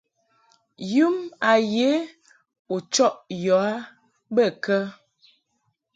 Yum a ye u chɔʼ yɔ a bə kə?